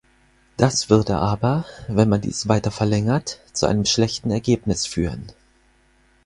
Das würde aber, wenn man dies weiter verlängert, zu einem schlechten Ergebnis führen.